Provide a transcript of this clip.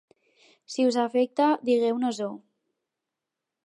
Si us afecta, digueu-nos-ho.